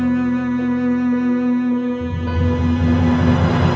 kami menemukan what can kobe sayau